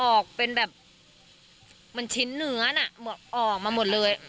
ออกเป็นแบบมันชิ้นเนื้อออกมาหมดเลย